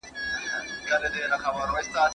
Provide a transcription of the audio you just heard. ¬ بې ډوله ډنگېدلی، بې سرنا رخسېدلی.